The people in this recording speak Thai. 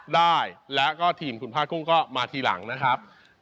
ได้แล้วก็ทีมคุณผ้ากุ้งก็มาทีหลังนะครับ